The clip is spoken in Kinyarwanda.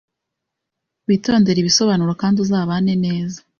Witondere ibisobanuro, kandi uzabana neza.